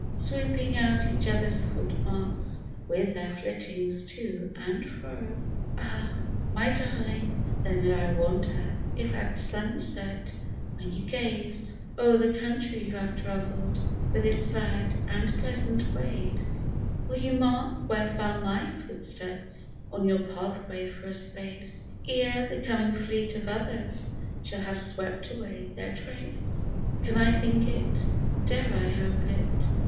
Sweeping out each other^s footmarks with their flit tings to and fro." Ah ! my Darling, then I wonder if at sunset, when you gaze O'er the country you have travell'd, with its sad and pleasant ways, 78 ''After long Years:' Will you mark where fell my footsteps on your path way for a space, Ere the coming feet of others shall have swept away their trace ? Can I think it ? dare I hope it